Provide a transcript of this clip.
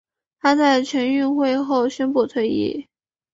她在全运会后宣布退役。